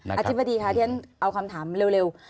อาจิมพะดีค่ะเทียนเอาคำถามเร็ว